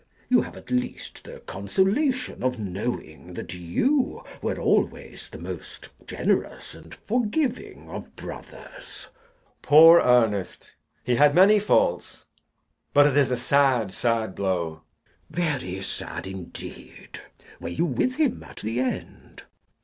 You have at least the consolation of knowing that you were always the most generous and forgiving of brothers. JACK. Poor Ernest! He had many faults, but it is a sad, sad blow. CHASUBLE. Very sad indeed. Were you with him at the end?